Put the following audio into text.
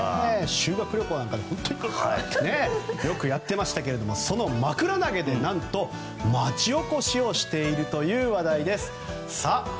修学旅行なんてよくやってましたけどそのまくら投げでなんと町おこしをしているという話題です。